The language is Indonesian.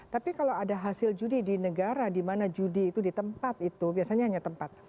tapi kalau ada hasil judi di negara di mana judi itu di tempat itu biasanya hanya tempat